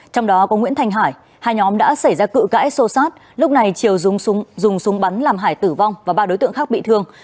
trong đó có nguyễn thành hải hai nhóm đã xảy ra cự cãi xô sát lúc này triều dùng súng bắn làm hải tử vong và ba đối tượng khác bị thương